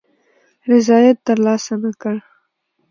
رضاییت تر لاسه نه کړ.